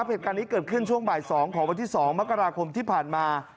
เหตุการณ์นี้เกิดขึ้นช่วงบ่าย๒ของวันที่๒มกราคมที่ผ่านมา